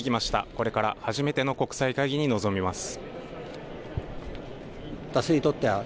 これから初めての国際会議に臨みます。